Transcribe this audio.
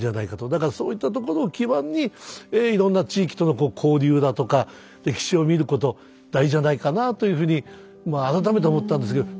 だからそういったところを基盤にいろんな地域とのこう交流だとか歴史を見ること大事じゃないかなあというふうにまあ改めて思ったんですけど。